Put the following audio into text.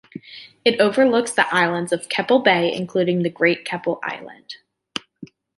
It overlooks the islands of Keppel Bay, including the Great Keppel Island.